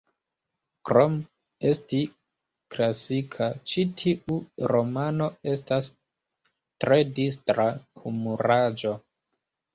Krom esti klasika, ĉi tiu romano estas tre distra humuraĵo.